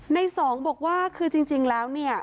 ในสองบอกว่าคือจริงแล้วเนี่ย